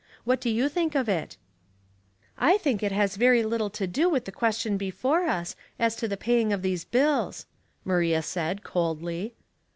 What do you think of it?" '^ 1 think it h«,s very little to do with the question before us, as to the paying of these bills," Maria said, coldly.